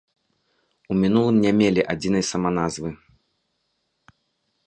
У мінулым не мелі адзінай саманазвы.